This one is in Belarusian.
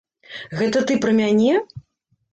Гэта ты пра мяне?